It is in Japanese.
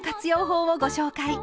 法をご紹介。